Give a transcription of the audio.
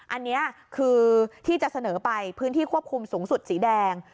อันนี้คือที่จะเสนอไปพื้นที่ควบคุมสูงสุดสีแดง